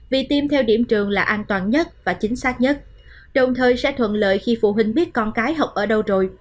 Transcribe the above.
vì tiêm theo điểm trường là an toàn nhất và chính xác nhất đồng thời sẽ thuận lợi khi phụ huynh biết con cái học ở đâu rồi